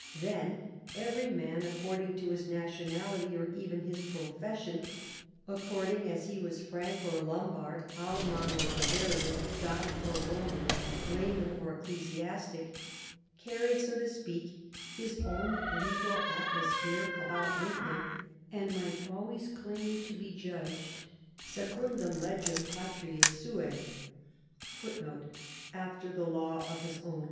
Then, every man, according to his nationality, or even his profession, — according as he was Frank or Lombard, 318 CHARLEMAGNE. Alaman or Bavarian, Goth or Eoman, layman or ecclesiastic, — carried, so to speak, his own legal at mosphere about with him, and might always claim to be j udged secundum legem patrm suce.'